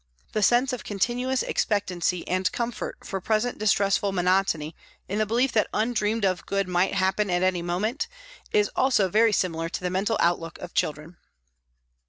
The sense of continuous expectancy and comfort for present distressful monotony in the belief that undreamed of good might happen at any moment is also very similar to the mental outlook of children.